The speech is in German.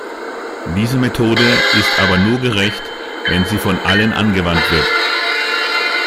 Diese Methode ist aber nur gerecht, wenn sie von allen angewandt wird.